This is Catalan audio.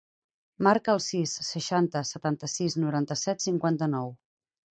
Marca el sis, seixanta, setanta-sis, noranta-set, cinquanta-nou.